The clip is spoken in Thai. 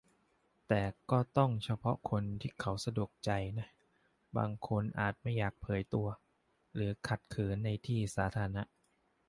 แต่ก็ต้องเฉพาะคนที่เขาสะดวกใจนะ บางคนอาจไม่อยากเผยตัว หรือขัดเขินในที่สาธารณะ